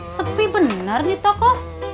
sepi benar di toko